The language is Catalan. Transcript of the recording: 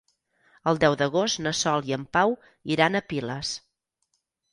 El deu d'agost na Sol i en Pau iran a Piles.